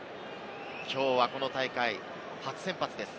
きょうはこの大会、初先発です。